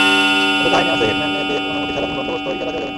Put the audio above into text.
অথচ আইনে আছে, হেডম্যানদের অনুমতি ছাড়া ভূমি বন্দোবস্ত, ইজারা দেওয়া যাবে না।